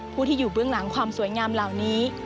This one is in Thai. ผู้ที่อยู่เบื้องหลังความสวยงามเหล่านี้